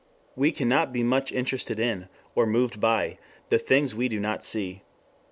We cannot be much interested in, or much moved by, the things we do not see.